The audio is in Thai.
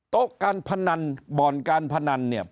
โต๊ะการพนันบ่อนการพนันเนี่ย